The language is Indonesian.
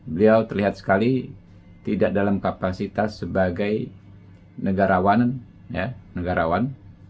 beliau terlihat sekali tidak dalam kapasitas sebagai negarawan negarawan